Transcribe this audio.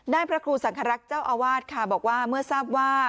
พระครูสังครักษ์เจ้าอาวาสค่ะบอกว่าเมื่อทราบว่า